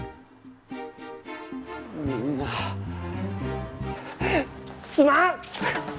みんなすまん！